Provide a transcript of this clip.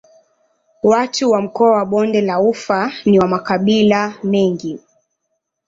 Watu wa mkoa wa Bonde la Ufa ni wa makabila mengi.